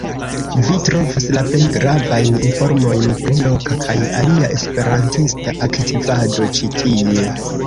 Vi trovos la plej gravajn informojn pri loka kaj alia esperantista aktivado ĉi tie.